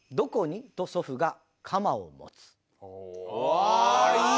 あいい。